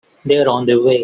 They're on their way.